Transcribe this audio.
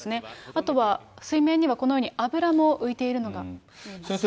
あとは水面にはこのように油も浮いているのが見えます。